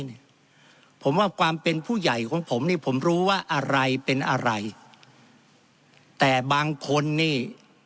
นี่ผมว่าความเป็นผู้ใหญ่ของผมนี่ผมรู้ว่าอะไรเป็นอะไรแต่บางคนนี่